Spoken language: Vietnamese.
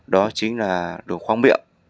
đó chính là đồ khoang miệng